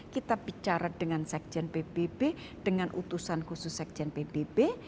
kita bicara dengan sekjen pbb dengan utusan khusus sekjen pbb